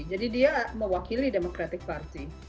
jadi dia mewakili democratic party